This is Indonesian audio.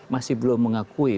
masih belum mengakui